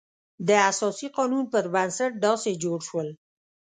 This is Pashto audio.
د اساسي قانون پر بنسټ داسې جوړ شول.